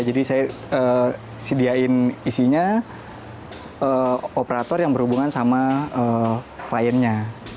jadi saya sediain isinya operator yang berhubungan sama kliennya